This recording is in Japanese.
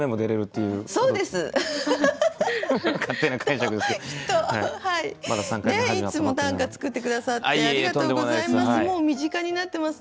いつも短歌作って下さってありがとうございます。